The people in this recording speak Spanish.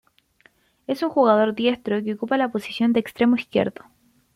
Es un jugador diestro que ocupa la posición de extremo izquierdo.